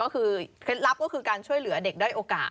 เคล็ดลับก็คือการช่วยเหลือเด็กได้โอกาส